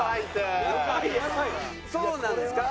そうなんですか？